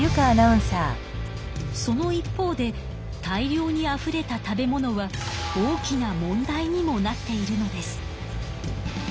その一方で大量にあふれた食べ物は大きな問題にもなっているのです。